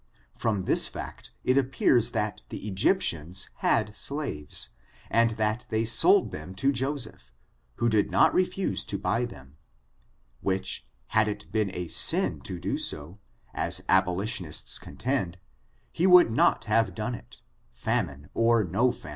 From this fact, it appears that the Egyptians had slaves, and that they sold them to Josej^, who did not refuse to buy them, which, had it been a sin to do so, as abolition ists contend, he would not have done it, famine or no fomine.